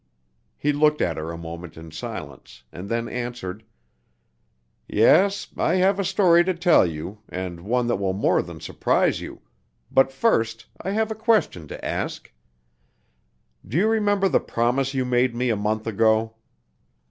He looked at her a moment in silence, and then answered: "Yes, I have a story to tell you, and one that will more than surprise you, but first I have a question to ask. Do you remember the promise you made me a month ago?"